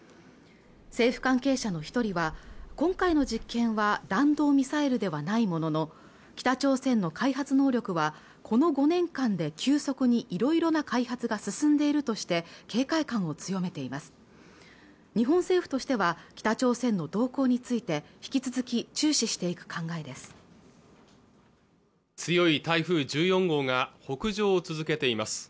政府関係者の一人は今回の実験は弾道ミサイルではないものの北朝鮮の開発能力はこの５年間で急速に色々な開発が進んでいるとして警戒感を強めています日本政府としては北朝鮮の動向について引き続き注視していく考えです強い台風１４号が北上を続けています